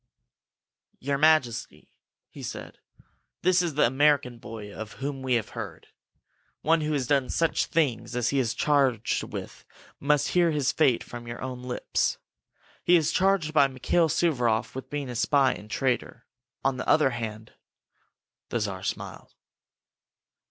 "Your Majesty," he said, "this is the American boy of whom we have heard. One who has done such things as he is charged with must hear his fate from your own lips. He is charged by Mikail Suvaroff with being a spy and a traitor. On the other hand " The Czar smiled.